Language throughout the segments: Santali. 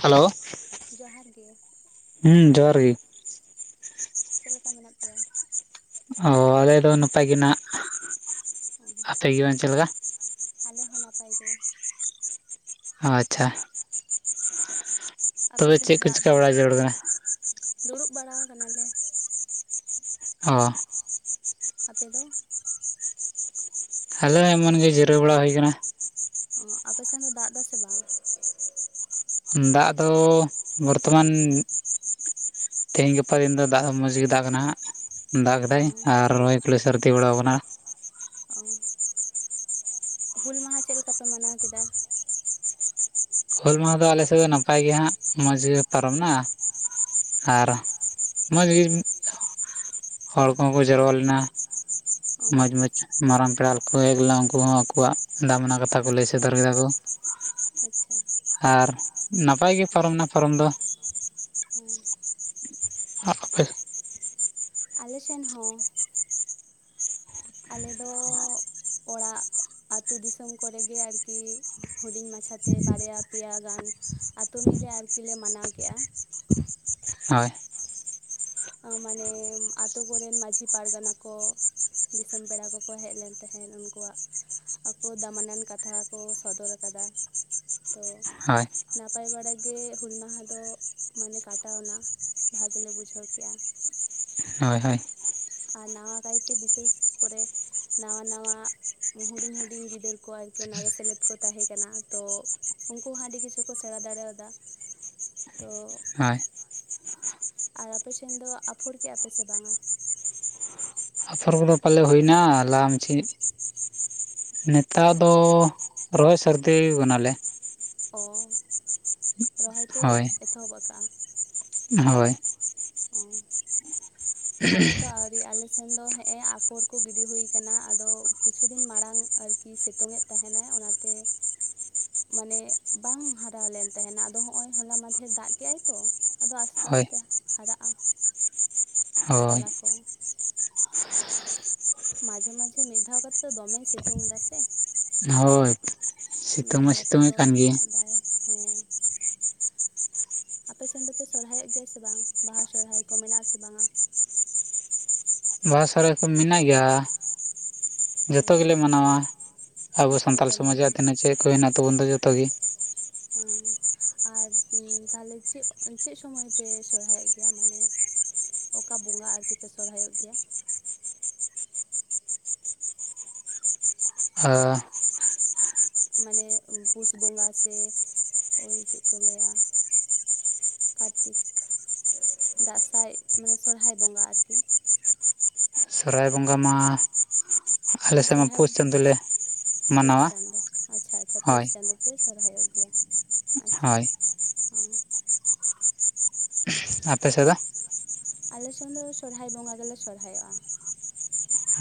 ᱦᱮᱞᱳ ᱡᱚᱦᱟᱨ ᱜᱮ ᱦᱩᱸ ᱡᱚᱦᱟᱨ ᱜᱮ ᱪᱮᱫ ᱞᱮᱠᱟ ᱢᱮᱱᱟᱜ ᱯᱮᱭᱟ, ᱚ ᱟᱞᱮ ᱫᱚ ᱱᱟᱯᱟᱭ ᱜᱮ ᱱᱟᱜ [unintelligible] ᱟᱯᱮ ᱜᱮ ᱵᱟᱝ ᱪᱮᱫ ᱞᱮᱠᱟ ᱟᱞᱮ ᱦᱚᱸ ᱱᱟᱯᱟᱭ ᱜᱮ ᱟᱪᱪᱷᱟ, ᱛᱚᱵᱮ ᱟᱯᱮᱥᱮᱱ ᱪᱮᱫ ᱠᱚ ᱫᱟᱜ ᱪᱤᱠᱟ ᱮᱫᱟᱭ ᱵᱟᱲᱟ ᱥᱮ ᱡᱟᱹᱨᱩᱲ ᱵᱟᱝ ᱠᱟᱱᱟ ᱫᱩᱲᱩᱵ ᱵᱟᱲᱟ ᱟᱠᱟᱱᱟᱞᱮ, ᱦᱚ ᱟᱯᱮ ᱫᱚ? ᱟᱞᱮ ᱮᱢᱚᱱ ᱜᱮ ᱡᱤᱨᱟᱹᱣ ᱵᱟᱲᱟ ᱦᱩᱭ ᱟᱠᱟᱱᱟ, ᱚ ᱟᱯᱮ ᱥᱮᱱ ᱫᱚ ᱫᱟᱜ ᱮᱫᱟ ᱥᱮ ᱵᱟᱝ? ᱫᱟᱜ ᱫᱚ ᱵᱚᱨᱛᱚᱢᱟᱱ, ᱛᱮᱦᱮᱧ ᱜᱟᱯᱟ ᱫᱤᱱ ᱫᱚ ᱫᱟᱜ ᱫᱚ ᱢᱚᱸᱡᱽ ᱜᱮ ᱫᱟᱜ ᱠᱟᱱᱟ ᱦᱟᱸᱜ, ᱫᱟᱜ ᱚ ᱠᱮᱫᱟᱭ ᱟᱨ ᱨᱚᱦᱚᱭ ᱠᱚᱞᱮ ᱥᱟᱹᱨᱫᱤ ᱵᱟᱲᱟᱣ ᱟᱠᱟᱱᱟ, ᱚ ᱦᱩᱞ ᱢᱟᱦᱟ ᱪᱮᱫ ᱞᱮᱠᱟ ᱯᱮ ᱢᱟᱱᱟᱣ ᱠᱮᱫᱟ? ᱦᱩᱞ ᱢᱟᱦᱟ ᱫᱚ ᱟᱞᱮ ᱥᱮᱫ ᱫᱚ ᱱᱟᱯᱟᱭ ᱜᱮ ᱦᱟᱸᱜ ᱢᱚᱸᱡᱽ ᱜᱮ ᱯᱟᱨᱚᱢ ᱱᱟ, ᱟᱨ ᱢᱚᱸᱡᱽ ᱜᱮ᱾ ᱦᱚᱲ ᱠᱚᱦᱚᱸ ᱠᱚ ᱡᱟᱨᱣᱟ ᱞᱮᱱᱟ ᱚ ᱢᱚᱸᱡᱻ ᱢᱚᱸᱢ, ᱢᱟᱨᱟᱝ ᱯᱮᱲᱟᱠᱚ ᱦᱮᱡ ᱞᱮᱱᱟ ᱩᱱᱠᱩ ᱦᱚᱸ ᱟᱠᱚᱣᱟᱜ ᱫᱟᱢᱱᱟ ᱠᱟᱛᱷᱟ ᱠᱚ, ᱞᱟᱹᱭ ᱥᱚᱫᱚᱨ ᱠᱮᱫᱟ ᱠᱚ, ᱟᱪᱪᱷᱟ᱾ ᱟᱨ ᱱᱟᱯᱟᱭᱜᱤ ᱯᱟᱨᱚᱢᱮ ᱮᱱᱟ ᱯᱟᱨᱚᱢ ᱫᱚ, ᱦᱩᱸ᱾ ᱦᱟ [unintelligible] ᱯᱮ ᱟᱞᱮ ᱥᱮᱱ ᱦᱚᱸ, ᱟᱞᱮ ᱫᱚ ᱚᱲᱟᱜ, ᱟᱹᱛᱩᱳ ᱫᱤᱥᱚᱢ ᱠᱚᱨᱮᱜᱮ ᱟᱨᱠᱤ ᱦᱩᱰᱤᱧ ᱢᱟᱪᱷᱟ ᱛᱮ ᱵᱟᱨᱭᱟ ᱯᱮᱭᱟ ᱜᱟᱱ ᱟᱛ ᱢᱤᱞᱮ ᱟᱨᱠᱤ ᱞᱮ ᱢᱟᱱᱟᱣ ᱠᱮᱜᱼᱟ, ᱦᱳᱭ, ᱢᱟᱱᱮ ᱟᱛᱳ ᱠᱚᱨᱮᱱ ᱢᱟᱹᱡᱷᱤ ᱯᱟᱨᱜᱟᱱᱟ ᱠᱚ, ᱫᱤᱥᱚᱢ ᱯᱮᱲᱟ ᱠᱚᱠᱚ ᱦᱮᱡ ᱞᱮᱱ ᱛᱟᱦᱮᱸᱫ ᱩᱱᱠᱩᱣᱟᱜ, ᱟᱠᱚ ᱫᱟᱢᱟᱱᱟᱱ ᱠᱟᱛᱷᱟ ᱠᱚ ᱥᱚᱫᱚᱨ ᱠᱟᱫᱟ ᱛᱚ ᱦᱳᱭ ᱱᱟᱯ ᱱᱟᱯᱟᱭ ᱵᱟᱲᱟ ᱜᱮ ᱦᱩᱞ ᱢᱟᱦᱟ ᱫᱚ ᱢᱟᱱᱮ ᱠᱟᱴᱟᱣ ᱱᱟ ᱵᱷᱟᱜᱮ ᱞᱮ ᱵᱩᱡᱷᱟᱹᱣ ᱠᱮᱫ, ᱠᱮᱜᱼᱟ, ᱦᱳᱭ ᱦᱳᱭ, ᱟᱨ ᱱᱟᱣᱟ ᱠᱟᱭᱛᱮ ᱵᱤᱥᱮᱥ ᱠᱚᱨᱮ ᱱᱟᱣᱟ ᱱᱟᱣᱟ ᱦᱩᱰᱤᱧ ᱦᱩᱰᱤᱧ ᱜᱤᱫᱟᱹᱨ ᱠᱚ ᱟᱨᱠᱤ ᱚᱱᱟᱨᱮ ᱥᱮᱞᱮᱫ ᱠᱚ ᱛᱟᱦᱮᱸ ᱠᱟᱱᱟ ᱛᱚ, ᱩᱱᱠᱩ ᱦᱚᱸ ᱟᱹᱰᱤ ᱠᱤᱪᱷᱩ ᱠᱚ ᱥᱮᱬᱟ ᱫᱟᱲᱮᱭᱟᱫᱟ ᱛᱚ ᱦᱳᱭ ᱟᱨ ᱟᱯᱮ ᱥᱮᱱ ᱫᱚ ᱟᱯᱷᱚᱨ ᱠᱮᱻᱟ ᱯᱮ ᱥᱮ ᱵᱟᱝᱟ? ᱟᱯᱷᱚᱨ ᱠᱚᱫᱚ ᱯᱟᱞᱮ ᱦᱩᱭᱱᱟ ᱞᱟ, [unintelligible] ᱱᱮᱛᱟᱨ ᱫᱚ ᱨᱚᱦᱚᱭ ᱥᱟᱹᱨᱫᱤᱣ ᱠᱟᱱᱟᱞᱮ, ᱚ ᱨᱚᱦᱚᱭ ᱯᱮ ᱦᱳᱭ ᱮᱛᱚᱦᱚᱵ ᱟᱠᱟᱜᱼᱟ, ᱦᱳᱭ, ᱚᱸ, ᱟᱞᱮ ᱫᱚ ᱟᱣᱨᱤ ᱟᱞᱮ ᱥᱮᱱ ᱫᱚ ᱦᱮᱸ ᱮ ᱟᱯᱷᱚᱨ ᱠᱚ ᱜᱤᱰᱤ ᱦᱩᱭ ᱠᱟᱱᱟ ᱟᱫᱚ ᱠᱤᱪᱷᱩ ᱫᱤᱱ ᱢᱟᱲᱟᱝ ᱟᱨᱠᱤ ᱥᱤᱛᱩᱝ ᱮ ᱛᱟᱦᱮᱱᱟᱭ ᱚᱱᱟᱛᱮ, [inaudible] ᱢᱟᱱᱮ ᱵᱟᱝ ᱦᱟᱨᱟ ᱞᱮᱱ ᱛᱟᱦᱮᱱᱟ ᱟᱫᱚ ᱦᱚᱜᱼᱚᱭ ᱦᱚᱞᱟ ᱢᱟᱫᱷᱮᱨ ᱫᱟᱜ ᱠᱮᱜᱼᱟᱭ ᱛᱚ ᱟᱫᱚ ᱟᱥᱛᱮ ᱦᱳᱭ ᱟᱥᱛᱮ ᱦᱟᱨᱟᱜᱼᱟ᱾ ᱦᱳᱭ ᱛᱚᱞᱟ ᱠᱚ, ᱢᱟᱡᱷᱮ ᱢᱟᱡᱷᱮ ᱢᱤᱫ ᱫᱷᱟᱣ ᱠᱟᱛᱮᱫ ᱫᱚᱢᱮᱭ ᱥᱤᱛᱩᱝ ᱫᱟ ᱥᱮ, ᱦᱳᱭ ᱢᱤᱜ ᱥᱤᱛᱩᱝ ᱢᱟ ᱫᱷᱟᱣ ᱠᱟᱛᱮ ᱥᱤᱛᱩᱝᱮᱫ ᱫᱚ ᱠᱟᱱ ᱜᱮ ᱫᱟᱜ ᱫᱟᱭ ᱦᱮᱸ ᱟᱯᱮ ᱥᱮᱱ ᱫᱚᱯᱮ ᱥᱚᱨᱦᱟᱭᱚᱜ ᱜᱮᱭᱟ ᱥᱮ ᱵᱟᱝ ᱵᱟᱦᱟ ᱥᱚᱨᱦᱟᱭ ᱠᱚ ᱢᱮᱱᱟᱜᱼᱟᱥᱮ ᱵᱟᱝ-ᱟ? ᱵᱟᱦᱟ ᱥᱚᱨᱦᱟᱭ ᱠᱚ ᱢᱮᱱᱟᱜ ᱜᱮᱭᱟ᱾ ᱚ ᱡᱚᱛᱚᱜᱮᱞᱮ ᱢᱟᱱᱟᱣᱟ ᱟᱵᱚ ᱡᱚᱛᱚ ᱥᱟᱱᱛᱟᱞ ᱜᱮᱯᱮ ᱥᱚᱢᱟᱡᱽᱟᱜ ᱢᱟᱱᱟᱣᱟ ᱛᱤᱱᱟᱹᱜ ᱪᱮᱫ ᱠᱚ ᱦᱮᱱᱟᱜ ᱛᱟᱵᱚᱱ ᱫᱚ ᱡᱚᱛᱚᱤᱴ ᱜᱤ᱾ ᱚᱸᱻ ᱟᱨ ᱛᱟᱦᱚᱞᱮ ᱪᱮᱜ ᱪᱮᱜ ᱥᱚᱢᱚᱭ ᱯᱮ ᱥᱚᱨᱦᱟᱭᱚᱜ ᱜᱮᱭᱟ ᱢᱟᱱᱮ? ᱚᱠᱟ ᱵᱚᱸᱜᱟ ᱟᱨᱠᱤ ᱯᱮ ᱥᱚᱨᱦᱟᱭᱚᱜ ᱜᱮᱭᱟ ᱦᱮ ᱢᱟᱱᱮ ᱯᱩᱥ ᱵᱚᱸᱜᱟ ᱥᱮ ᱳᱭ ᱪᱮᱫ ᱠᱚ ᱞᱟᱹᱭ-ᱟ ᱠᱟᱨᱛᱤᱠ ᱫᱟᱸᱥᱟᱭ ᱢᱟᱱᱮ ᱥᱚᱨᱦᱟᱭ ᱵᱚᱸᱜᱟ ᱟᱨᱠᱤ ᱥᱚᱨᱦᱟᱭ ᱵᱚᱸᱜᱟ ᱢᱟ ᱟᱞᱮ ᱢᱟᱱᱮ ᱥᱮᱫ ᱢᱟ ᱥᱚᱨᱦᱟᱭ ᱯᱩᱥ ᱪᱟᱸᱫᱳ ᱞᱮ ᱯᱩᱥ ᱢᱟᱱᱟᱣᱟ ᱪᱟᱸᱫᱳ ᱟᱪᱪᱷᱟ ᱟᱪᱪᱷᱟ ᱯᱩᱥ ᱦᱳᱭ ᱪᱟᱸᱫᱳ ᱯᱮ ᱥᱚᱨᱦᱟᱭ ᱜᱮᱭᱟ ᱟᱪᱪᱷᱟ ᱦᱳᱭ ᱦᱚᱸ ᱟᱯᱮ ᱥᱮᱫ ᱫᱚ? ᱟᱞᱮ ᱥᱮᱱ ᱫᱚ ᱥᱚᱨᱦᱟᱭ ᱵᱚᱸᱜᱟ ᱜᱮᱞᱮ ᱥᱚᱨᱦᱟᱭᱚᱜᱼᱟ᱾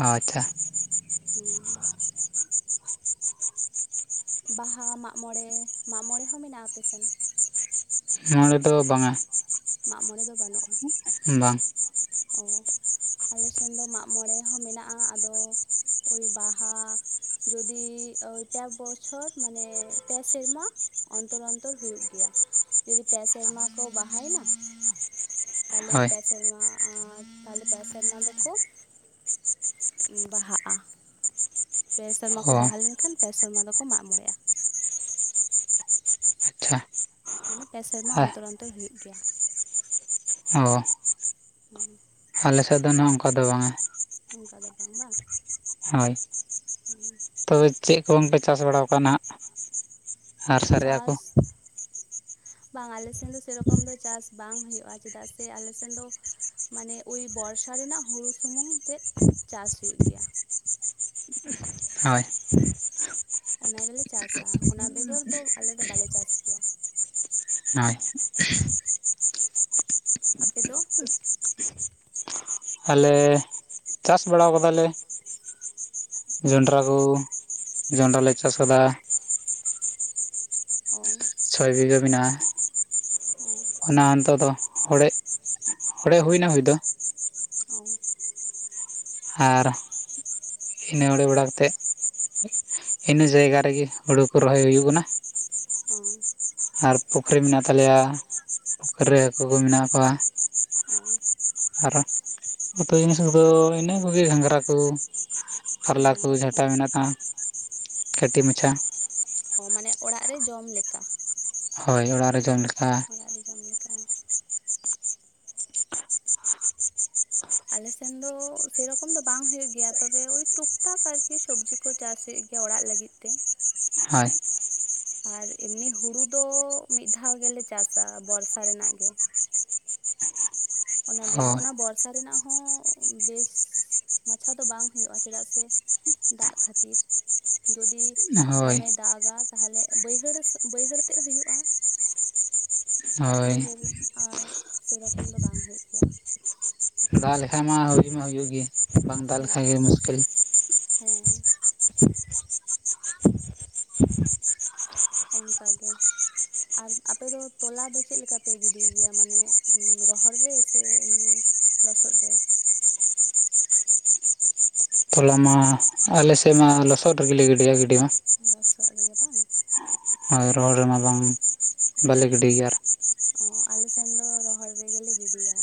ᱟᱪᱪᱷᱟ ᱦᱩᱸ ᱵᱟᱦᱟ ᱢᱟᱜᱽ ᱢᱚᱬᱮ ᱢᱟᱜᱽ ᱢᱚᱬᱮ ᱦᱚᱸ ᱢᱮᱱᱟᱜᱼᱟ ᱟᱯᱮ ᱥᱮᱱ? ᱱᱚᱣᱟ ᱨᱮᱫᱚ ᱵᱟᱝ-ᱟ ᱢᱟᱜᱽ ᱢᱚᱬᱮ ᱫᱚ ᱵᱟᱹᱱᱩᱜᱼᱟ᱾ ᱵᱟᱝ ᱚ ᱟᱞᱮ ᱥᱮᱱ ᱫᱚ ᱢᱟᱜᱽ ᱢᱚᱬᱮ ᱦᱚᱸ ᱢᱮᱱᱟᱜᱼᱟ᱾ ᱟᱫᱚ ᱳᱭ ᱵᱟᱦᱟ ᱡᱩᱫᱤ ᱳᱭ ᱯᱮ ᱵᱚᱪᱷᱚᱨ ᱢᱟᱱᱮ ᱯᱮ ᱥᱮᱨᱢᱟ ᱚᱱᱛᱚᱨ ᱚᱱᱛᱚᱨ ᱦᱩᱭᱩᱜ ᱜᱮᱭᱟ᱾ᱡᱩᱫᱤ ᱯᱮ ᱥᱮᱨᱢᱟ ᱠᱚ ᱵᱟᱦᱟᱮᱱᱟ ᱛᱟᱦᱚᱞᱮ ᱦᱳᱭ ᱯᱮ ᱥᱮᱨᱢᱟ ᱟᱨ ᱛᱟᱦᱚᱞᱮ ᱯᱮ ᱥᱮᱨᱢᱟ ᱫᱚᱠᱚ ᱵᱟᱦᱟᱜᱼᱟ᱾ ᱯᱮ ᱥᱮᱨᱢᱟ ᱚ ᱠᱚ ᱵᱟᱦᱟ ᱞᱮᱱᱠᱷᱟᱱ ᱯᱮ ᱥᱮᱨᱢᱟ ᱫᱚᱠᱚ ᱢᱟᱜᱽ ᱢᱚᱬᱮᱜ-ᱟ᱾ ᱟᱪᱪᱷᱟ ᱢᱟᱱᱮ ᱯᱮ ᱥᱮᱨᱢᱟ ᱟᱨ ᱚᱱᱛᱚᱨ ᱚᱱᱛᱚᱨ ᱦᱩᱭᱩᱜ ᱜᱮᱭᱟ᱾ ᱦᱩᱸ, ᱟᱞᱮᱥᱮᱫ ᱫᱚ ᱱᱟᱜ ᱚᱱᱠᱟ ᱫᱚ ᱵᱟᱝᱼᱟ᱾ ᱱᱚᱝᱠᱟ ᱫᱚ ᱵᱟᱝ ᱦᱳᱭ ᱦᱩᱸ᱾ ᱛᱚᱵᱮ ᱪᱮᱫ ᱠᱚᱝᱯᱮ ᱪᱟᱥ ᱵᱟᱲᱟᱣ ᱠᱟᱜᱼᱟ ᱱᱟᱦᱟᱜ ᱟᱨ ᱥᱟᱨᱮᱡ ᱟᱜ ᱠᱚ ᱪᱟᱥ ᱵᱟᱝ ᱟᱞᱮ ᱥᱮᱱ ᱫᱚ ᱥᱮᱨᱚᱠᱚᱢ ᱫᱚ ᱪᱟᱥ ᱵᱟᱝ ᱦᱩᱭᱩᱜᱼᱟ ᱾ᱪᱮᱫᱟᱜ ᱥᱮ ᱟᱞᱮ ᱥᱮᱱ ᱫᱚ ᱢᱟᱱᱮ ᱳᱭ ᱵᱚᱨᱥᱟ ᱨᱮᱱᱟᱜ ᱦᱩᱲᱩ ᱥᱩᱢᱩᱝ ᱛᱮ ᱪᱟᱥ ᱦᱳᱭᱩᱳ ᱜᱮᱭᱟ ᱦᱳᱭ ᱚᱱᱟ ᱜᱮᱞᱮ ᱪᱟᱥ ᱟ ᱚᱱᱟ ᱵᱮᱜᱚᱨ ᱫᱚ ᱟᱞᱮ ᱫᱚ ᱵᱟᱞᱮ ᱪᱟᱥ ᱜᱮᱭᱟ ᱦᱳᱭ ᱟᱯᱮ ᱫᱚ ᱟᱞᱮ ᱪᱟᱥ ᱵᱟᱲᱟ ᱠᱟᱫᱟᱞᱮ ᱦᱩᱸ ᱡᱚᱱᱰᱨᱟ ᱠᱚ ᱡᱚᱱᱰᱨᱟ ᱞᱮ ᱪᱟᱥ ᱠᱟᱫᱟ ᱚ ᱪᱷᱚᱭ ᱵᱤᱜᱷᱟᱹ ᱢᱟᱱᱟᱜ-ᱟ᱾ ᱚ ᱚᱱᱟ ᱱᱤᱛᱚᱜ ᱫᱚ ᱦᱚᱲᱮᱡ ᱦᱚᱲᱮᱡ ᱦᱩᱭᱱᱟ ᱦᱩᱭ ᱫᱚ ᱚ ᱟᱨ ᱤᱱᱟᱹ ᱚᱲᱮ ᱵᱟᱲᱟ ᱠᱟᱛᱮᱫ ᱤᱱᱟᱹ ᱡᱟᱭᱜᱟ ᱨᱮᱜᱤ ᱦᱩᱲᱩ ᱠᱚ ᱨᱚᱦᱚᱭ ᱦᱩᱭᱩᱜ ᱠᱟᱱᱟ ᱦᱚᱸ ᱟᱨ ᱯᱩᱠᱷᱨᱤ ᱢᱮᱱᱟᱜ ᱛᱟᱞᱮᱭᱟ ᱯᱩᱠᱷᱨᱤ ᱨᱮ ᱦᱟᱹᱠᱩ ᱠᱩ ᱢᱮᱱᱟᱜ ᱠᱚᱣᱟ᱾ ᱚᱸ ᱟᱨ ᱩᱛᱩ ᱡᱤᱱᱤᱥ ᱠᱚᱫᱚ ᱤᱱᱟᱹ [unintelligible] ᱜᱷᱟᱸᱝᱨᱟ ᱠᱚ ᱠᱟᱨᱞᱟ ᱠᱚ ᱡᱷᱟᱴᱟ ᱢᱮᱱᱟᱜᱼᱟ ᱠᱟᱹᱴᱤᱡ ᱢᱟᱪᱷᱟ ᱚ ᱢᱟᱱᱮ ᱚᱲᱟᱜ ᱨᱮ ᱡᱚᱢ ᱞᱮᱠᱟ᱾ ᱦᱳᱭ ᱚᱲᱟᱜ ᱨᱮ ᱡᱚᱢ ᱞᱮᱠᱟ᱾ ᱚᱲᱟᱜ ᱨᱮ ᱡᱚᱢ ᱞᱮᱠᱟ᱾ ᱟᱞᱮᱥᱮᱱ ᱫᱚ ᱥᱮᱨᱚᱠᱚᱢ ᱫᱚ ᱵᱟᱝ ᱦᱳᱭᱳ ᱜᱮᱭᱟ ᱛᱚᱵᱮ ᱳᱭ ᱴᱩᱠ ᱴᱟᱠ ᱟᱨᱠᱤ ᱥᱚᱵᱽᱡᱤ ᱠᱚ ᱪᱟᱥ ᱦᱩᱭᱩᱜ ᱜᱮᱭᱟ ᱚᱲᱟᱜ ᱞᱟᱹᱜᱤᱫ ᱛᱮ᱾ ᱦᱳᱭ ᱟᱨ ᱮᱢᱱᱤ ᱦᱩᱲᱩ ᱫᱚ ᱢᱤᱫ ᱫᱷᱟᱣ ᱜᱮᱞᱮ ᱪᱟᱥ ᱟ ᱵᱚᱨᱥᱟ ᱨᱮᱱᱟᱜ ᱜᱮ ᱚᱱᱟ ᱵᱮᱜᱚ‌ ᱦᱳᱭ ᱚᱱᱟ ᱵᱚᱨᱼᱼ ᱼᱼᱥᱟ ᱨᱮᱱᱟᱜ ᱦᱚᱸ ᱵᱮᱥ ᱢᱟᱪᱷᱟ ᱫᱚ ᱵᱟᱝ ᱦᱩᱭᱩᱜᱼᱟ ᱪᱮᱫᱟᱜ ᱥᱮ ᱫᱟᱜ ᱠᱷᱟᱹᱛᱤᱨ ᱡᱩᱫᱤ ᱦᱳᱭ ᱫᱚᱢᱮᱭ ᱫᱟᱜᱟ ᱛᱟᱦᱞᱮ ᱵᱟᱹᱭᱦᱟᱹᱲ ᱵᱟᱹᱭᱦᱟᱹᱲ ᱛᱮᱜ ᱦᱩᱭᱩᱜᱼᱟ᱾ ᱦᱳᱭ ᱵᱟᱹᱭᱦᱟᱹᱲ ᱟᱨ ᱥᱮᱨᱚᱠᱚᱢ ᱫᱚ ᱵᱟᱝ ᱦᱩᱭᱩᱜ ᱜᱮᱭᱟ᱾ ᱫᱟᱜ ᱞᱮᱠᱷᱟᱡ ᱢᱟ ᱦᱩᱭ ᱢᱟ ᱦᱩᱭᱩᱜ ᱜᱮ ᱵᱟᱝ ᱫᱟᱜ ᱦᱮᱸ ᱞᱮᱠᱷᱟᱡ ᱜᱮ ᱢᱩᱥᱠᱤᱞ᱾ ᱦᱮᱸ [unintelligible] ᱚᱱᱠᱟ ᱜᱮ᱾ ᱟᱨ ᱟᱯᱮ ᱫᱚ ᱛᱚᱞᱟ ᱫᱚ ᱪᱮᱫ ᱞᱮᱠᱟᱯᱮ ᱜᱤᱰᱤᱭ ᱜᱮᱭᱟ ᱢᱟᱱᱮ ᱨᱚᱦᱚᱲ ᱨᱮ ᱥᱮ ᱮᱢᱱᱤ ᱞᱚᱥᱚᱫ ᱨᱮ? ᱛᱚᱞᱟ ᱢᱟ ᱟᱞᱮᱥᱮᱫ ᱢᱟ ᱞᱚᱥᱚᱫ ᱨᱮᱜᱮ ᱞᱮ ᱜᱤᱰᱤᱭᱟ ᱜᱤᱰᱤ ᱢᱟ᱾ ᱞᱚᱥᱚᱫ ᱨᱮᱜᱮ ᱵᱟᱝ? ᱦᱳᱭ ᱨᱚᱦᱚᱲ ᱨᱮᱢᱟ ᱵᱟᱝ ᱚ ᱵᱟᱞᱮ ᱜᱤᱰᱤ ᱜᱮᱭᱟ ᱟᱨ ᱚ ᱟᱞᱮ ᱥᱮᱱ ᱫᱚ ᱨᱚᱦᱚᱲ ᱨᱮᱜᱮ ᱞᱮ ᱜᱤᱰᱤᱭᱟ᱾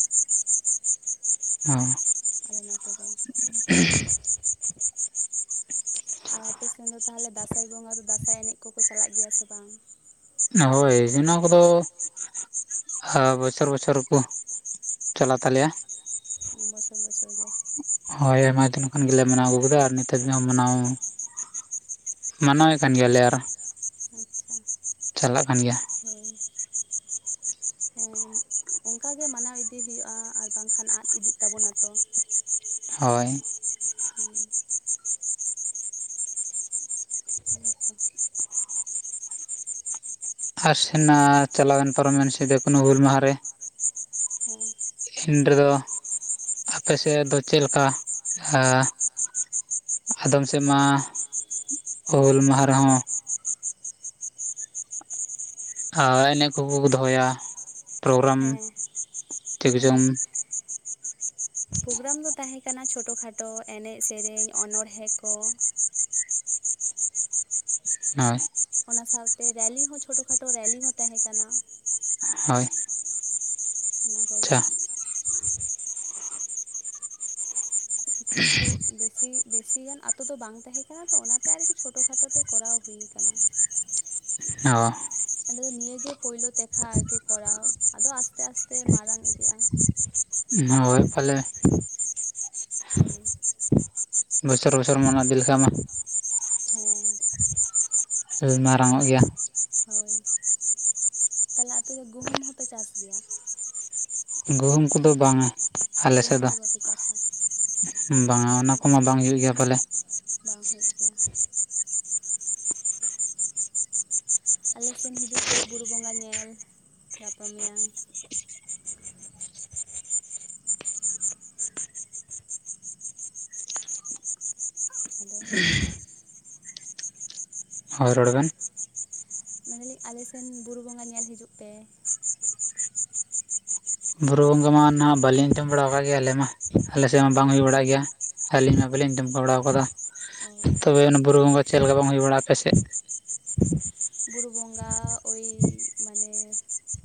ᱟᱨ ᱟᱞᱮ ᱱᱚᱛᱮ ᱫᱚ [unintelligible] ᱟᱨ ᱟᱯᱮ ᱥᱮᱱ ᱫᱚ ᱛᱟᱦᱚᱞᱮ ᱫᱟᱸᱥᱟᱭ ᱵᱚᱸᱜᱟ ᱫᱚ ᱫᱟᱸᱥᱟᱭ ᱮᱱᱮᱡ ᱠᱚᱠᱚ ᱪᱟᱞᱟᱜ ᱜᱮᱭᱟ ᱥᱮ ᱵᱟᱝ? ᱦᱳᱭ ᱚᱱᱟ ᱠᱚᱫᱚ ᱟᱨ ᱵᱚᱪᱷᱚᱨ ᱵᱚᱪᱷᱚᱨ ᱠᱚ ᱪᱟᱞᱟᱣ ᱛᱟᱞᱮᱭᱟ᱾ ᱵᱚᱪᱷᱚᱨ ᱵᱚᱪᱷᱚᱨ ᱜᱮ ᱦᱳᱭ ᱟᱭᱢᱟ ᱫᱤᱱ ᱠᱷᱚᱱ ᱜᱮᱞᱮ ᱢᱟᱱᱟᱣ ᱟᱹᱜᱩ ᱠᱮᱫᱟ ᱟᱨ ᱱᱤᱛᱟᱨ ᱫᱤᱱᱦᱚᱸ ᱢᱟᱱᱟᱣ ᱢᱟᱱᱟᱣᱮᱫ ᱠᱟᱱ ᱜᱮᱭᱟᱞᱮ ᱟᱨᱚ ᱟᱪᱪᱷᱟ ᱪᱟᱞᱟᱜ ᱠᱟᱱ ᱜᱮᱭᱟ᱾ ᱦᱳᱭ ᱮᱢ ᱚᱱᱠᱟ ᱜᱮ ᱢᱟᱱᱟᱣ ᱤᱫᱤ ᱦᱩᱭᱩᱜᱼᱟ ᱟᱨ ᱵᱟᱝᱠᱷᱟᱱ ᱟᱫ ᱤᱫᱤᱜ ᱛᱟᱵᱚᱱᱟ ᱛᱚ᱾ ᱦᱳᱭ ᱦᱩᱸ ᱦᱩᱸ ᱛᱚ ᱟᱨ ᱥᱮᱱᱟ ᱪᱟᱞᱟᱣᱮᱱ ᱯᱟᱨᱚᱢᱮᱱ ᱥᱤᱫᱚ ᱠᱟᱱᱦᱩ ᱦᱩᱞ ᱢᱟᱦᱟ ᱨᱮ᱾ ᱦᱮᱸ ᱮᱱ ᱨᱮᱫᱚ ᱟᱯᱮ ᱥᱮᱫ ᱫᱚ ᱪᱮᱫ ᱞᱮᱠᱟ? ᱦᱟ ᱟᱫᱚᱢ ᱥᱮᱫ ᱢᱟ ᱦᱩᱞ ᱢᱟᱦᱟ ᱨᱮᱦᱚᱸ ᱟᱨ ᱮᱱᱮᱡ ᱠᱚᱠᱚ ᱠᱚ ᱫᱚᱦᱚᱭᱟ ᱯᱨᱳᱜᱨᱟᱢ ᱦᱮᱸ ᱪᱮᱫ ᱠᱚ ᱦᱮᱸ ᱪᱚᱝ? ᱯᱨᱳᱜᱨᱟᱢ ᱫᱚ ᱛᱟᱦᱮᱸ ᱠᱟᱱᱟ ᱪᱷᱳᱴᱚ ᱠᱷᱟᱴᱚ ᱮᱱᱮᱡ, ᱥᱮᱨᱮᱧ, ᱚᱱᱚᱬᱦᱮ ᱠᱚ᱾ ᱦᱳᱭ ᱚᱱᱟ ᱥᱟᱶᱛᱮ ᱨᱮᱞᱤ ᱦᱚᱸ ᱪᱷᱳᱴᱳ ᱠᱷᱟᱴᱳ ᱨᱮᱞᱤ ᱦᱚᱸ ᱛᱟᱦᱮᱸ ᱠᱟᱱᱟ᱾ ᱦᱳᱭ ᱚᱱᱟ ᱠᱚᱜᱮ ᱟᱪᱪᱷᱟ ᱠᱤᱪᱷᱩ ᱵᱮᱥᱤ ᱵᱮᱥᱤ ᱜᱟᱱ ᱟᱛᱳ ᱫᱚ ᱵᱟᱝ ᱛᱟᱦᱮᱸ ᱠᱟᱱᱟ ᱛᱚ ᱚᱱᱟᱛᱮ ᱟᱨᱠᱤ ᱪᱷᱳᱴᱳ ᱠᱷᱟᱴᱳ ᱛᱮ ᱠᱚᱨᱟᱣ ᱦᱩᱭ ᱟᱠᱟᱱᱟ᱾ ᱚ ᱟᱫᱚ ᱱᱤᱭᱟ ᱜᱮ ᱯᱳᱭᱞᱳ ᱛᱮᱠᱷᱟ ᱟᱨᱠᱤ ᱠᱚᱨᱟᱣ ᱟᱫᱚ ᱟᱥᱛᱮ ᱟᱥᱛᱮ ᱢᱟᱨᱟᱝ ᱤᱫᱤᱜᱼᱟ᱾ ᱦᱳᱭ ᱯᱟᱞᱮ ᱦᱳᱭ ᱵᱚᱪᱷᱚᱨ ᱵᱚᱪᱷᱚᱨ ᱢᱚᱱᱮ ᱤᱫᱤ ᱞᱮᱠᱷᱟᱱ ᱢᱟ ᱦᱮᱸᱻ ᱢᱟᱨᱟᱝ ᱚᱜ ᱜᱮᱭᱟ᱾ ᱦᱳᱭ ᱛᱟᱦᱚᱞᱮ ᱟᱯᱮ ᱫᱚ ᱜᱩᱦᱩᱢ ᱦᱚᱸᱯᱮ ᱪᱟᱥ ᱜᱮᱭᱟ? ᱜᱩᱦᱩᱢ ᱠᱚᱫᱚ ᱵᱟᱝᱟ᱾ ᱟᱞᱮ ᱥᱮᱫ ᱜᱩᱦᱩᱢ ᱫᱚ᱾ ᱵᱟᱯᱮ ᱪᱟᱥᱟ ᱵᱟᱝᱟ ᱚ ᱚᱱᱟ ᱠᱚᱢᱟ ᱵᱟᱝ ᱦᱩᱭᱩᱜ ᱜᱮᱭᱟ ᱯᱟᱞᱮ᱾ ᱵᱟᱝ ᱦᱩᱭᱩᱜ ᱜᱮᱭᱟ᱾ ᱟᱞᱮ ᱥᱮᱱ ᱦᱤᱡᱩᱜ ᱯᱮ ᱵᱩᱨᱩ ᱵᱚᱸᱜᱟ ᱧᱮᱞ ᱜᱟᱯᱟ ᱢᱮᱭᱟᱝ᱾ ᱦᱮᱞᱳ ᱦᱳᱭ ᱨᱚᱲ ᱵᱮᱱ᱾ ᱢᱮᱱ ᱫᱟᱞᱤᱧ ᱟᱞᱮᱥᱱ ᱵᱩᱨᱩ ᱵᱚᱸᱜᱟ ᱧᱮᱞ ᱦᱤᱡᱩᱜ ᱯᱮ᱾ ᱵᱩᱨᱩ ᱵᱚᱸᱜᱟ ᱢᱟ ᱚᱱᱟ ᱵᱟᱞᱤᱧ ᱟᱡᱚᱢ ᱵᱟᱲᱟ ᱠᱟᱜ ᱜᱮᱭᱟ ᱟᱞᱮ ᱢᱟ, ᱟᱞᱮ ᱥᱮᱫ ᱢᱟ ᱵᱟᱝ ᱚ ᱦᱩᱭ ᱵᱟᱲᱟᱜ ᱜᱮᱭᱟ᱾ ᱟᱹᱞᱤᱧ ᱢᱟ ᱵᱟᱞᱤᱧ [unintelligible] ᱵᱟᱲᱟ ᱟᱠᱟᱣᱫᱟ᱾ ᱚ ᱛᱚᱵᱮ ᱚᱱᱟ ᱵᱩᱨᱩ ᱵᱚᱸᱜᱟ ᱪᱮᱫ ᱞᱮᱠᱟ ᱵᱟᱝ ᱦᱩᱭ ᱵᱟᱲᱟᱜᱼᱟ ᱟᱯ ᱥᱮᱫ? ᱵᱩᱨᱩ ᱵᱚᱸᱜᱟ ᱳᱭ ᱢᱟᱱᱮ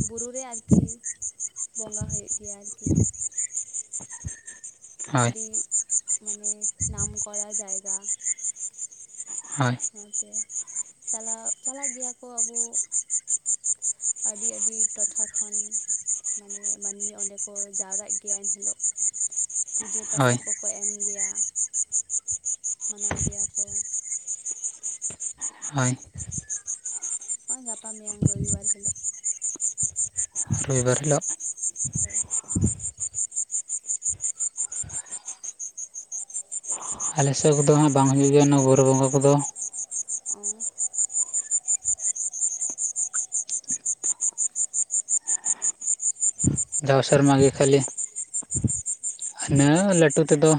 ᱵᱩᱨᱩ ᱨᱮ ᱟᱨᱠᱤ ᱵᱚᱸᱜᱟ ᱦᱩᱭᱩᱜ ᱜᱮᱭᱟ ᱟᱨᱠᱤ᱾ ᱦᱳᱭ ᱟᱹᱰᱤ ᱢᱟᱱᱮ ᱱᱟᱢᱠᱚᱨ ᱡᱟᱭᱜᱟ᱾ [unintelligible] ᱵᱩᱨᱩ ᱛᱮ, ᱪᱟᱞᱟᱜ ᱪᱟᱞᱟᱜ ᱜᱮᱭᱟ ᱠᱚ ᱟᱵᱚ ᱟᱹᱰᱤ ᱟᱹᱰᱤ ᱴᱚᱴᱷᱟ ᱠᱷᱚᱱ ᱢᱟᱱᱮ ᱢᱟᱹᱱᱢᱤ ᱚᱸᱰᱮ ᱠᱚ ᱡᱟᱣᱨᱟᱜ ᱜᱮᱭᱟ ᱮᱱ ᱦᱤᱞᱚᱜ᱾ ᱯᱩᱡᱟᱹ ᱯᱟᱥᱟ ᱠᱚᱠᱚ ᱮᱢ ᱜᱮᱭᱟ ᱢᱟᱱᱟᱣ ᱜᱮᱭᱟ ᱠᱚ᱾ ᱦᱳᱭ ᱦᱚᱸᱜ-ᱚᱭ ᱜᱟᱯᱟ ᱢᱮᱭᱟᱝ ᱨᱚᱵᱤ ᱵᱟᱨ ᱦᱤᱞᱳᱜ᱾ ᱨᱚᱵᱤ ᱵᱟᱨ ᱦᱤᱞᱳᱜ? ᱦᱳᱭ᱾ ᱟᱞᱮ ᱥᱮᱫ ᱠᱚᱫᱚ ᱦᱟᱸᱜ ᱵᱟᱝ ᱦᱩᱭᱩᱜ ᱜᱮᱭᱟ ᱚᱱᱟ ᱵᱩᱨᱩ ᱵᱚᱸᱜᱟ ᱠᱚᱫᱚ᱾ ᱚ ᱡᱟᱣ ᱥᱮᱨᱢᱟ ᱜᱮ ᱠᱷᱟᱹᱞᱤ ᱚ ᱤᱱᱟ ᱞᱟᱹᱴᱩ ᱛᱮᱫᱚ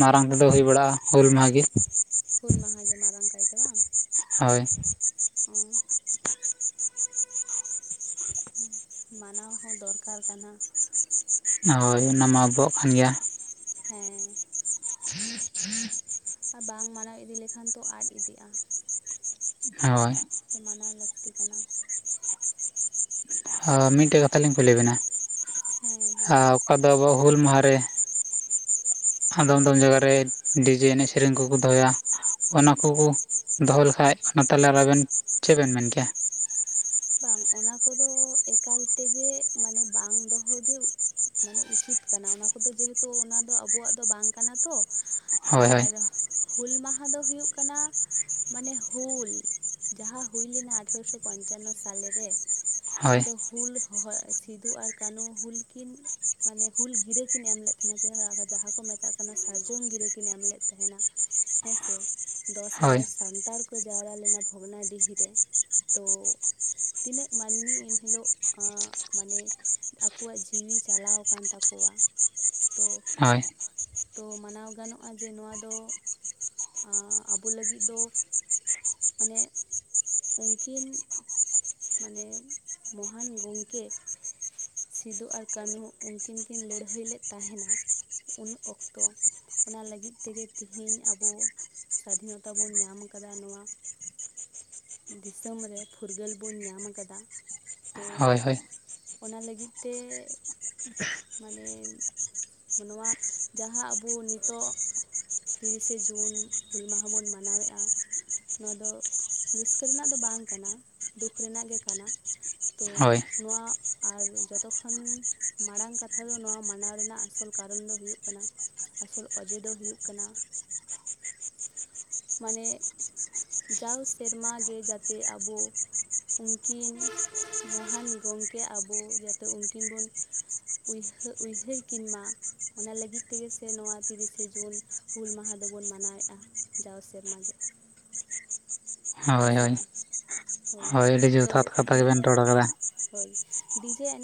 ᱢᱟᱨᱟᱝ ᱛᱮᱫᱚ ᱦᱩᱭ ᱵᱟᱲᱟᱜᱼᱟ ᱦᱩᱞ ᱢᱟᱦᱟ ᱜᱮ᱾ ᱦᱩᱞ ᱢᱟᱦᱟ ᱜᱮ ᱢᱟᱨᱟᱝ ᱠᱟᱭᱛᱮ ᱵᱟᱝ᱾ ᱦᱳᱭ [inaudible] [inaudible] ᱢᱟᱱᱟᱣ ᱦᱚᱸ ᱫᱚᱨᱠᱟᱨ ᱠᱟᱱᱟ᱾ ᱦᱳᱭ ᱚᱱᱟᱢᱟ ᱟᱵᱚᱣᱟᱜ ᱠᱟᱱ ᱜᱮᱭᱟ ᱾ ᱦᱮᱸ [inaudible] ᱟᱨ ᱵᱟᱝ ᱢᱟᱱᱟᱣ ᱤᱫᱤ ᱞᱮᱠᱷᱟᱱ ᱛᱚ ᱟᱫ ᱤᱫᱤᱜᱼᱟ ᱦᱳᱭ [unintelligible] ᱢᱟᱱᱟᱣ ᱞᱟᱹᱠᱛᱤ ᱠᱟᱱᱟ᱾ ᱦᱚᱸ ᱢᱤᱫᱴᱮᱡ ᱠᱟᱛᱷᱟ ᱞᱤᱧ ᱠᱩᱞᱤ ᱵᱤᱱᱟ, ᱦᱮᱸ ᱞᱟᱹᱭ ᱵᱮᱱ ᱚᱠᱟ ᱫᱚ ᱵᱚ ᱦᱩᱞ ᱢᱟᱦᱟ ᱨᱮ ᱟᱫᱚᱢ ᱟᱫᱚᱢ ᱡᱟᱭᱜᱟ ᱨᱮ ᱰᱤᱡᱮ ᱮᱱᱮᱡ ᱥᱮᱨᱮᱧ ᱠᱚᱠᱚ ᱫᱚᱦᱚᱭᱟ ᱚᱱᱟ ᱠᱚᱠᱚ ᱫᱚᱦᱚ ᱞᱮᱠᱟᱡ ᱚᱱᱟ ᱛᱟᱦᱟᱞᱮ ᱟᱵᱮᱱ ᱪᱮᱫ ᱵᱮᱱ ᱢᱮᱱ ᱠᱮᱭᱟ? ᱵᱟᱝ ᱚᱱᱟ ᱠᱚᱫᱚ ᱮᱠᱟᱞ ᱛᱮᱜᱮ ᱢᱟᱱᱮ ᱵᱟᱝ ᱫᱚᱦᱚᱜᱮ ᱢᱟᱱᱮ ᱩᱪᱤᱛ ᱠᱟᱱᱟ ᱚᱱᱟ ᱠᱚᱫᱚ ᱡᱮᱦᱮᱛᱩ ᱚᱱᱟ ᱫᱚ ᱟᱵᱚᱣᱟᱜ ᱫᱚ ᱵᱟᱝ ᱠᱟᱱᱟ ᱛᱚ᱾ ᱦᱳᱭ ᱦᱳᱭ ᱟᱨ ᱦᱩᱞ ᱢᱟᱦᱟ ᱫᱚ ᱦᱩᱭᱩᱜ ᱠᱟᱱᱟ ᱢᱟᱱᱮ ᱦᱩᱞ ᱡᱟᱦᱟᱸ ᱦᱩᱭ ᱞᱮᱱᱟ ᱟᱴᱷᱨᱚᱥᱚ ᱯᱚᱧᱪᱟᱱᱱᱚ ᱥᱟ ᱥᱟᱞᱮ ᱨᱮ ᱚᱱᱟ ᱦᱳᱭ ᱫᱚ ᱦᱩᱞ ᱦᱚᱦᱚ ᱥᱤᱫᱩ ᱟᱨ ᱠᱟᱹᱱᱩ ᱦᱩᱞ ᱠᱤᱱ ᱢᱟᱱᱮ ᱦᱩᱞ ᱜᱤᱨᱟᱹ ᱠᱤᱱ ᱮᱢ ᱞᱮᱫ ᱛᱟᱦᱮᱱᱟ ᱡᱟᱦᱟᱸ ᱠᱚ ᱢᱮᱛᱟᱜ ᱠᱟᱱᱟ ᱥᱟᱨᱡᱚᱢ ᱜᱤᱨᱟᱹ ᱠᱤᱱ ᱮᱢ ᱞᱮᱫ ᱛᱟᱦᱮᱱᱟ ᱦᱮᱸ ᱥᱮ ᱫᱚᱥ ᱦᱳᱭ ᱦᱟᱡᱟᱨ ᱥᱟᱱᱛᱟᱲ ᱠᱚ ᱡᱟᱣᱨᱟ ᱞᱮᱱᱟ ᱵᱷᱚᱜᱽᱱᱟᱰᱤᱦᱤ ᱨᱮ ᱛᱚ ᱛᱤᱱᱟᱹᱜ ᱢᱟᱹᱱᱢᱤ ᱮᱱ ᱦᱤᱞᱳᱜ ᱢᱟᱱᱮ ᱟᱠᱚᱣᱟᱜ ᱡᱤᱣᱤ ᱪᱟᱞᱟᱣ ᱟᱠᱟᱱ ᱛᱟᱠᱚᱣᱟ, ᱛᱚ ᱦᱳᱭ ᱛᱚ ᱢᱟᱱᱟᱣ ᱜᱟᱱᱚᱜᱼᱟ ᱡᱮ ᱱᱚᱣᱟ ᱫᱚ ᱟᱵᱚ ᱞᱟᱹᱜᱤᱫ ᱫᱚ ᱢᱟᱱᱮ ᱩᱱᱠᱤᱱ ᱢᱟᱱᱮ ᱢᱚᱦᱟᱱ ᱜᱚᱝᱠᱮ ᱥᱤᱫᱩ ᱟᱨ ᱠᱟᱹᱱᱦᱩ ᱩᱱᱠᱤᱱ ᱠᱤᱱ ᱞᱟᱹᱲᱦᱟᱹᱭ ᱞᱮᱫ ᱛᱟᱦᱮᱱᱟ ᱩᱱ ᱚᱠᱛᱚ ᱾ ᱚᱱᱟ ᱞᱟᱹᱜᱤᱫ ᱛᱮᱜᱮ ᱛᱮᱦᱤᱧ ᱟᱵᱚ ᱥᱟᱫᱷᱤᱱᱚᱛᱟ ᱵᱚᱱ ᱧᱟᱢ ᱠᱟᱫᱟ ᱾ ᱱᱚᱣᱟ ᱫᱤᱥᱚᱢ ᱨᱮ ᱯᱷᱩᱨᱜᱟᱹᱞ ᱵᱚᱱ ᱧᱟᱢ ᱠᱟᱫᱟ ᱾ ᱛᱚ ᱦᱳᱭ ᱦᱳᱭ ᱚᱱᱟ ᱞᱟᱹᱜᱤᱫ ᱛᱮ ᱢᱟᱱᱮ ᱱᱚᱣᱟ ᱡᱟᱦᱟᱸ ᱟᱵᱚ ᱱᱤᱛᱚᱜ ᱛᱤᱨᱤᱥᱮ ᱡᱩᱱ ᱦᱩᱞ ᱢᱟᱦᱟ ᱵᱚᱱ ᱢᱟᱱᱟᱣᱮᱫᱼᱟ ᱾ ᱱᱚᱣᱟ ᱫᱚ ᱨᱟᱹᱥᱠᱟᱹ ᱨᱮᱱᱟᱜ ᱫᱚ ᱵᱟᱝ ᱠᱟᱱᱟ ᱾ ᱫᱩᱠ ᱨᱮᱱᱟᱜ ᱜᱮ ᱠᱟᱱᱟ ᱾ ᱛᱚ ᱦᱳᱭ ᱱᱚᱶᱟ ᱟᱨ ᱡᱚᱛᱚ ᱠᱷᱚᱱᱚᱱ ᱢᱟᱨᱟᱲᱟᱝ ᱠᱟᱛᱷᱟ ᱫᱚ ᱱᱚᱣᱟ ᱢᱟᱱᱟᱣ ᱨᱮᱱᱟᱜ ᱟᱥᱚᱞ ᱠᱟᱨᱚᱱ ᱫᱚ ᱦᱩᱭᱩᱜ ᱠᱟᱱᱟ ᱾ ᱟᱥᱚᱞ ᱚᱡᱮ ᱫᱚ ᱦᱩᱭᱩᱜ ᱠᱟᱱᱟ ᱾ ᱢᱟᱱᱮ ᱡᱟᱣ ᱥᱮᱨᱢᱟᱜᱮ ᱡᱟᱛᱮ ᱟᱵᱚ ᱩᱱᱠᱤᱱ ᱢᱚᱦᱟᱱ ᱜᱚᱝᱠᱮ ᱟᱵᱚ ᱡᱟᱛᱮ ᱩᱱᱠᱤᱱ ᱵᱚᱱ ᱦᱟᱹᱨ ᱩᱭᱦᱟᱹᱨ ᱠᱤᱱ ᱢᱟ ᱾ ᱚᱱᱟ ᱞᱟᱹᱜᱤᱫ ᱛᱮᱜᱮ ᱥᱮ ᱱᱚᱣᱟ ᱛᱤᱨᱤᱥᱮ ᱡᱩᱱ ᱦᱩᱞ ᱢᱟᱦᱟ ᱫᱚᱵᱚᱱ ᱢᱟᱱᱟᱣᱮᱫᱼᱟ ᱾ᱡᱟᱣ ᱥᱮᱨᱢᱟ ᱜᱮ ᱾ ᱦᱳᱭ ᱦᱳᱭ ᱦᱳᱭ ᱟᱹᱰᱤ ᱡᱚᱛᱷᱟᱛ ᱛᱚ ᱠᱟᱛᱷᱟ ᱜᱮᱵᱮᱱ ᱨᱚᱲ ᱠᱟᱫᱟ ᱾ ᱦᱳᱭ ᱰᱤᱡᱮ ᱮᱱᱮᱡ